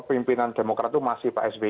pemimpinan demokrat itu masih pak sbi